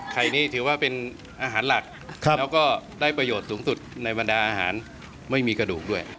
นี้ถือว่าเป็นอาหารหลักแล้วก็ได้ประโยชน์สูงสุดในบรรดาอาหารไม่มีกระดูกด้วย